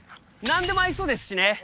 何でも合いそうですしね